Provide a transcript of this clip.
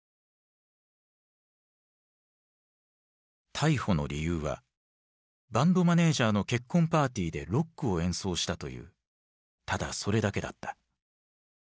逮捕の理由はバンドマネージャーの結婚パーティーでロックを演奏したというただそれだけだった。